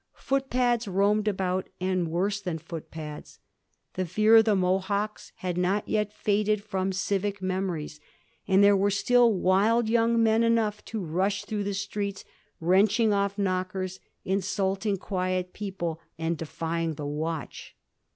Footpads roamed about, and worse than footpads. The fear of the Mohocks had not yet faded from civic memories, and there were still wild young men enough to rush through the streets, wrenching off knockers, insulting quiet people, and defying the watch.